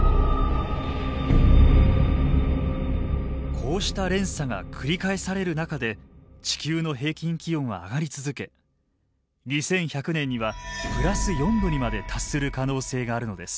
こうした連鎖が繰り返される中で地球の平均気温は上がり続け２１００年にはプラス４℃にまで達する可能性があるのです。